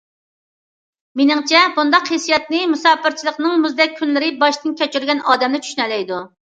مېنىڭچە، بۇنداق ھېسسىياتنى مۇساپىرچىلىقنىڭ مۇزدەك كۈنلىرىنى باشتىن كەچۈرگەن ئادەملا چۈشىنەلەيدۇ.